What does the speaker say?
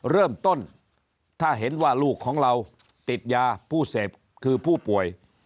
เริ่มต้นถ้าเห็นว่าลูกของเราติดยาผู้เสพคือผู้ป่วย